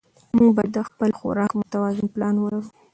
موږ باید د خپل خوراک متوازن پلان ولرو